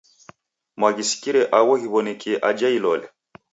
Mwaghisikire agho ghiw'onekie aja Ilole?